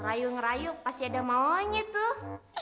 rayu rayu pasti ada maonya tuh